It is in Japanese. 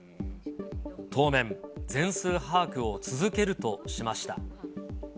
当面、全数把握を続けるとしました。